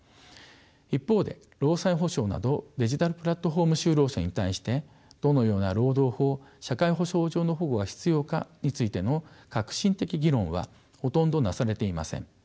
一方で労災補償などデジタルプラットフォーム就労者に対してどのような労働法・社会保障上の保護が必要かについての核心的議論はほとんどなされていません。